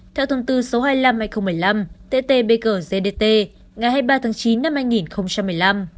theo thông tư số hai mươi năm hai nghìn một mươi năm tt bgt ngày hai mươi ba tháng chín năm hai nghìn một mươi năm